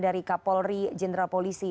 dari kapolri jenderal polisi